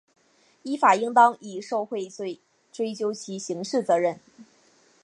依法应当以受贿罪追究其刑事责任